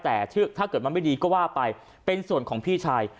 แต่ถ้าเกิดมันไม่ดีก็ว่าไปเป็นส่วนของพี่ชาย